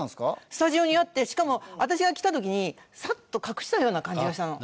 スタジオにあってしかも私が来た時にサッと隠したような感じがしたの。